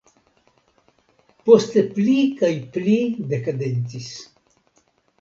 Poste pli kaj pli dekandecis.